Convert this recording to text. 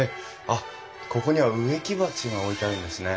あっここには植木鉢が置いてあるんですね。